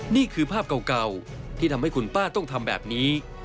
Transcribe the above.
นี่คือภาพเก่าที่ทำให้คุณป้าต้องทำแบบนี้